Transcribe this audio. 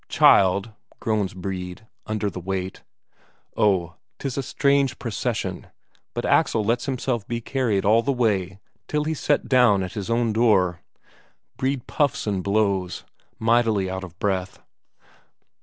"Child?" groans Brede, under the weight. Oh, 'tis a strange procession; but Axel lets himself be carried all the way till he's set down at his own door. Brede puffs and blows, mightily out of breath.